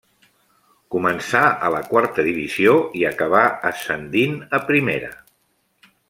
Començà a la quarta divisió i acabà ascendint a primera.